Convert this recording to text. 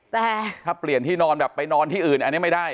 แต่ถ้าเปลี่ยนที่นอนแบบไปนอนที่อื่นอันนี้ไม่ได้